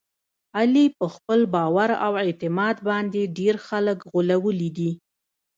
علي په خپل باور او اعتماد باندې ډېر خلک غولولي دي.